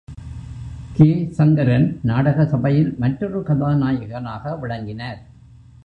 K. Sankaran நாடக சபையில் மற்றொரு கதாநாயகனாக விளங்கினார்.